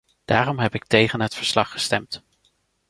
Daarom heb ik tegen het verslag gestemd.